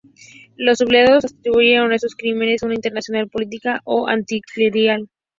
Los sublevados atribuyeron a estos crímenes una intencionalidad política o anticlerical.